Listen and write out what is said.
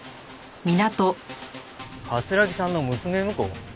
桂木さんの娘婿？